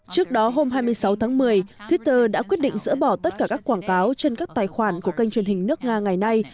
trước đó hôm hai mươi sáu tháng một mươi twitter đã quyết định dỡ bỏ tất cả các quảng cáo trên các tài khoản của kênh truyền hình nước nga ngày nay